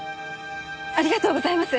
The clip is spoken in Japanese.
ありがとうございます。